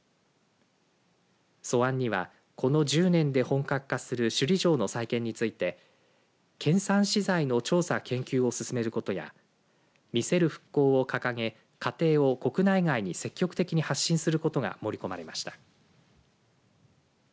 素案にはこの１０年で本格化する市場の再建について県産資材の調査研究を進めることや見せる復興を掲げ過程を国内外に積極的に発信することが盛り込まれました。